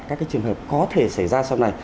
các trường hợp có thể xảy ra sau này